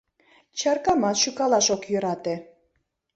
Чаркамат шӱкалаш ок йӧрате.